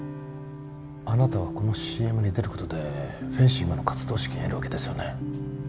あなたはこのＣＭに出ることでフェンシングの活動資金得るわけですよね